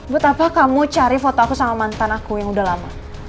betapa kamu cari foto aku sama mantan aku yang udah lama